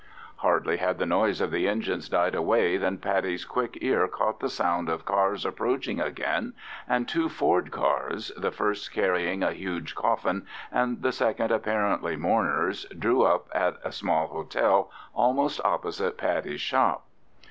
Hardly had the noise of the engines died away than Paddy's quick ear caught the sound of cars approaching again, and two Ford cars—the first carrying a huge coffin and the second apparently mourners—drew up at the small hotel almost opposite Paddy's shop.